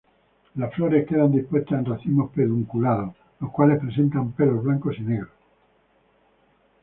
Las flores quedan dispuestas en racimos pedunculados, los cuales presentan pelos blancos y negros.